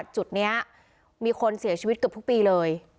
จุดนี้มีคนเสียชีวิตเกือบทุกปีเลย